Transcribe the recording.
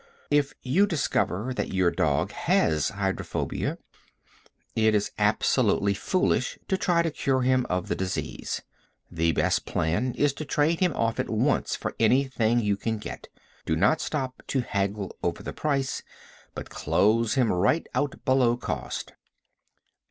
If you discover that your dog has hydrophobia, it is absolutely foolish to try to cure him of the disease. The best plan is to trade him off at once for anything you can get. Do not stop to haggle over the price, but close him right out below cost.